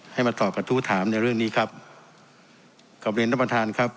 ให้มาตอบกระทู้ถามในเรื่องนี้ครับกลับเรียนท่านประธานครับ